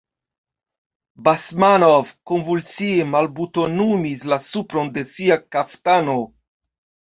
Basmanov konvulsie malbutonumis la supron de sia kaftano.